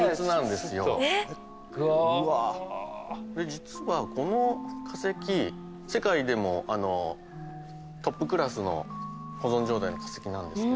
実はこの化石世界でもトップクラスの保存状態の化石なんですけど。